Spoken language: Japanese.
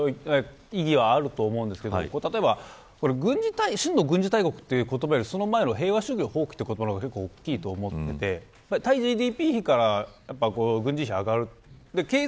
広島で開催するという意義はあると思うんですけど例えば、真の軍事大国という言葉よりもその前の平和主義を放棄というのが大きいと思っていてＧＤＰから軍事費が上がる。